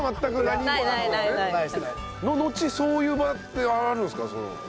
ののちそういう場ってあるんですか？